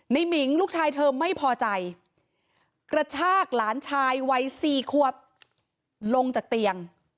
หมิงลูกชายเธอไม่พอใจกระชากหลานชายวัยสี่ควบลงจากเตียง